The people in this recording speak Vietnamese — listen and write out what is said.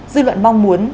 dư luận mong muốn